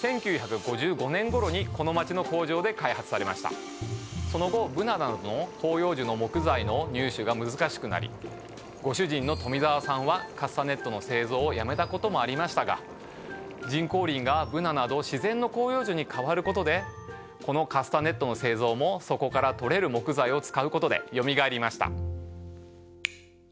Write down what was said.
そもそもその後ブナなどの広葉樹の木材の入手が難しくなりご主人の冨澤さんはカスタネットの製造をやめたこともありましたが人工林がブナなど自然の広葉樹に変わることでこのカスタネットの製造もそこからとれる木材を使うことでよみがえりました。